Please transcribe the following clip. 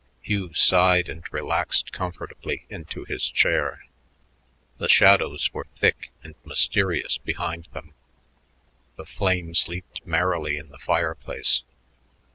Hugh sighed and relaxed comfortably into his chair. The shadows were thick and mysterious behind them; the flames leaped merrily in the fireplace.